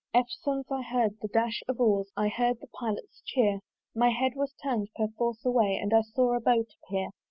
Eftsones I heard the dash of oars, I heard the pilot's cheer: My head was turn'd perforce away And I saw a boat appear.